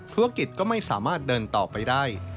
ธุรกิจก็ไม่สามารถเดินต่อไปได้